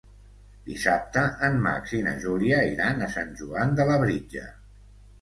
Dissabte en Max i na Júlia iran a Sant Joan de Labritja.